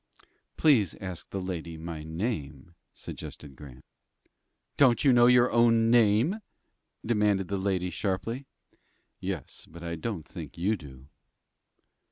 "Please ask the lady my name," suggested Grant. "Don't you know your own name?" demanded the lady, sharply. "Yes, but I don't think you do."